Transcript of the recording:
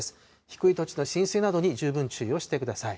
低い土地の浸水などに十分注意をしてください。